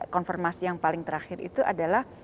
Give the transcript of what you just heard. konfirmasi yang paling terakhir itu adalah